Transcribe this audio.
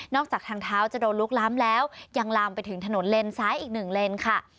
จากทางเท้าจะโดนลุกล้ำแล้วยังลามไปถึงถนนเลนซ้ายอีกหนึ่งเลนค่ะ